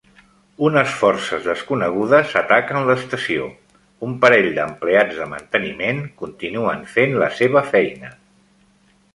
Unes forces desconegudes ataquen l'estació; un parell d'empleats de manteniment continuen fent la seva feina.